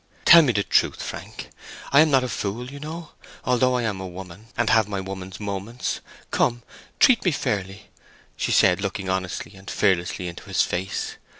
Tell me the truth, Frank. I am not a fool, you know, although I am a woman, and have my woman's moments. Come! treat me fairly," she said, looking honestly and fearlessly into his face.